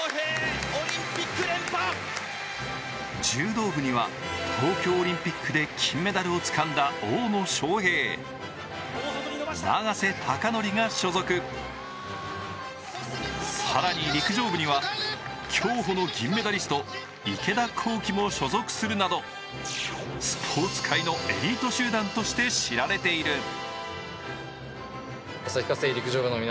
柔道部には東京オリンピックで金メダルをつかんだ大野将平、永瀬貴規が所属更に陸上部には競歩の銀メダリスト、池田向希も所属するなどスポーツ界のエリート集団として知られている。